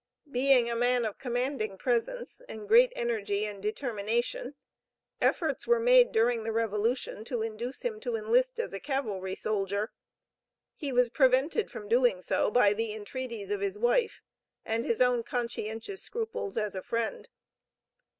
Being a man of commanding presence, and great energy and determination, efforts were made during the Revolution to induce him to enlist as a cavalry soldier. He was prevented from so doing by the entreaties of his wife, and his own conscientious scruples as a Friend.